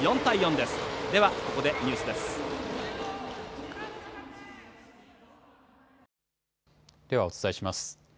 ではお伝えします。